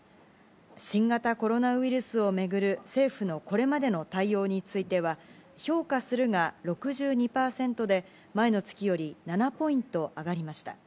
新型コロナウイルスを巡る政府のこれまでの対応については、評価するが６２％で前の月より７ポイント上がりました。